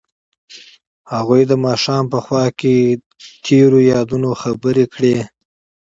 هغوی د ماښام په خوا کې تیرو یادونو خبرې کړې.